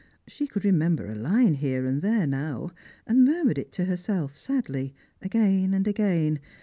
She could remember a line here and there now, and mur mured it to herself sadly, again and again.